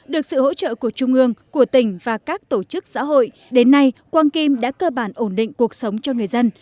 được sự hỗ trợ của trung ương của tỉnh và các tổ chức xã hội đến nay quang kim đã cơ bản ổn định cuộc sống cho người dân